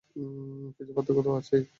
কিছু পার্থক্য তো আছেই।